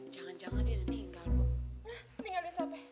jangan jangan dia udah meninggal